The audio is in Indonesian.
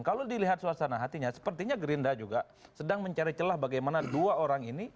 kalau dilihat suasana hatinya sepertinya gerindra juga sedang mencari celah bagaimana dua orang ini